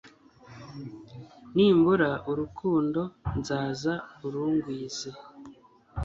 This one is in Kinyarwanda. nimbura urukundo, nzaza urungwize